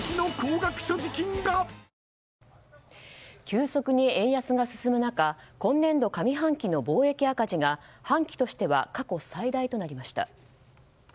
急速に円安が進む中今年度上半期の貿易赤字が半期としては過去最大となりました。